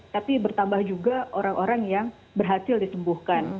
tapi bertambah juga orang orang yang berhasil disembuhkan